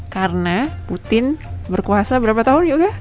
karena putin berkuasa berapa tahun yoga